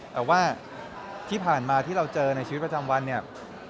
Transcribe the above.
แต่ว่าที่ผ่านมาที่เราเจอในชีวิตประจำวันเนี่ย